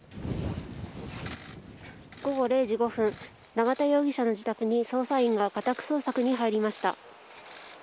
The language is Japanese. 午後０時５分永田容疑者の自宅に捜査員が家宅捜索に入りました。